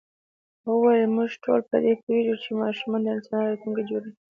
هغې وویل موږ ټول په دې پوهېږو چې ماشومان د انسانیت راتلونکی جوړوي.